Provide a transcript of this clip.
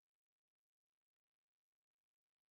yang ketiga dia melaksanakan transhipment seperti ini gak boleh